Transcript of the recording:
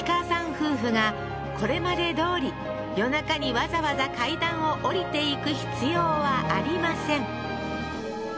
夫婦がこれまでどおり夜中にわざわざ階段を下りていく必要はありません